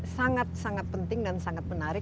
sangat sangat penting dan sangat menarik